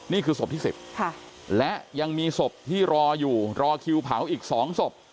นี่คือศพที่๑๐และยังมีศพที่รออยู่รอคิวเผาอีก๒ศพ